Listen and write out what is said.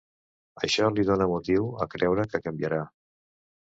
Això li dona motiu a creure que canviarà.